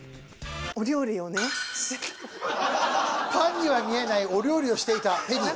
パンには見えないお料理をしていたペリー。